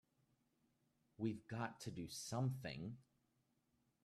We've got to do something!